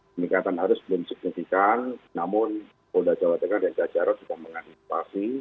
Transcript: peningkatan arus belum disignifikan namun polda jawa tengah dan jajaro juga mengadopsi